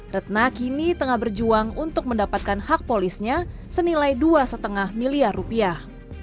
retna kini tengah berjuang untuk mendapatkan hak polisnya senilai dua lima miliar rupiah